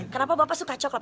kenapa bapak suka coklat